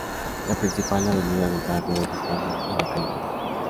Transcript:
La principal avenida del barrio es España y la calle Perú.